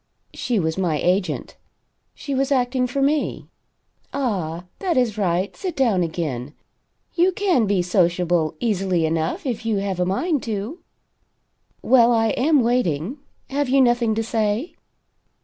She was my agent. She was acting for me. Ah, that is right sit down again. You can be sociable, easily enough if you have a mind to. Well? I am waiting. Have you nothing to say?"